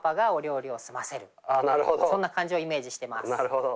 あなるほど。